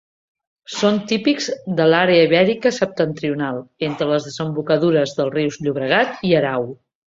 Són típics de l'àrea ibèrica septentrional, entre les desembocadures dels rius Llobregat i Erau.